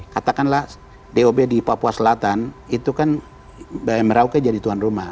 katakanlah dob di papua selatan itu kan merauke jadi tuan rumah